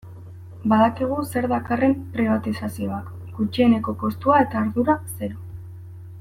Badakigu zer dakarren pribatizazioak, gutxieneko kostua eta ardura zero.